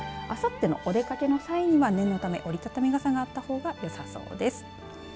あさってのお出かけの際には念のため折り畳み傘があったほうがよさそうです。